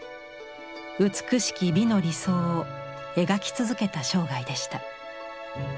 美しき美の理想を描き続けた生涯でした。